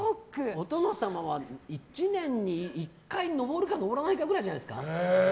お殿様は１年に１回上るか上らないかくらいじゃないですか？